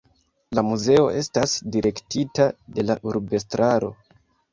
La muzeo estas direktita de la urbestraro.